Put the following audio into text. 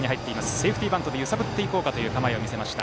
セーフティーバントで揺さぶっていこうかという構えを見せました。